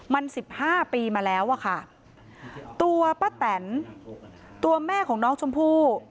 มันสิบห้าปีมาแล้วอะค่ะตัวป้าแตนตัวแม่ของน้องชมพู่